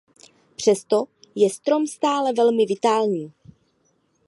Přesto je strom stále velmi vitální.